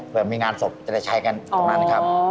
เพื่อมีงานศพจะได้ใช้กันตรงนั้นครับ